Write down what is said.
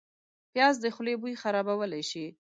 پیاز د خولې بوی خرابولی شي